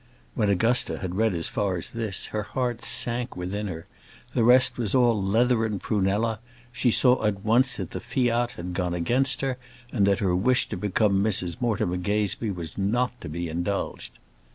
[When Augusta had read as far as this, her heart sank within her; the rest was all leather and prunella; she saw at once that the fiat had gone against her, and that her wish to become Mrs Mortimer Gazebee was not to be indulged.